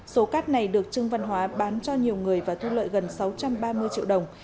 số cát này được trương văn hóa bán cho nhiều người và thu lợi gần sáu trăm ba mươi triệu đồng